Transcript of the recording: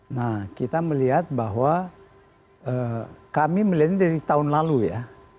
nah kita melihat bahwa kami melihatnya dari tahun lalu ya